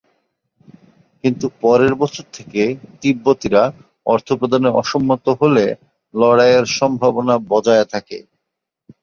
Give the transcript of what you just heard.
কিন্তু পরের বছর থেকে তিব্বতীরা অর্থ প্রদানে অসম্মত হলে লড়াইয়ের সম্ভাবনা বজায় থাকে।